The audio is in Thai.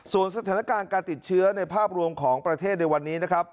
ส่วนสถานการณ์การติดเชื้อในภาพรวมของประเทศในวันนี้นะครับ